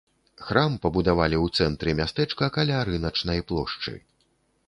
Храм пабудавалі ў цэнтры мястэчка, каля рыначнай плошчы.